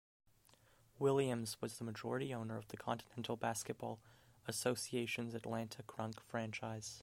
Williams was the majority owner of the Continental Basketball Association's Atlanta Krunk franchise.